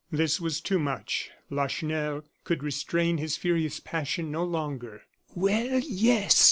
This was too much. Lacheneur could restrain his furious passion no longer. "Well, yes!"